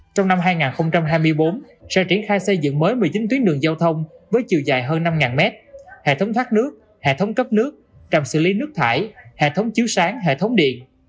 trong năm hai nghìn hai mươi bốn sẽ triển khai xây dựng mới một mươi chín tuyến đường giao thông với chiều dài hơn năm mét hệ thống thoát nước hệ thống cấp nước trạm xử lý nước thải hệ thống chiếu sáng hệ thống điện